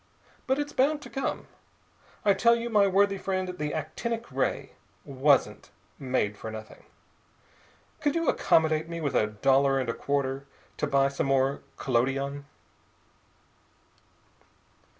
But it's bound to come. I tell you, my worthy friend, the actinic ray wasn't made for nothing. Could you accommodate me with a dollar and a quarter to buy some more collodion?"